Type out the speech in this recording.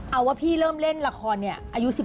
เอาว่าพี่เริ่มเล่นละครเนี่ยอายุ๑๖